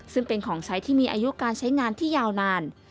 ซึ่งเป็นของใช้ที่มีอายุการใช้งานที่ยาวนาน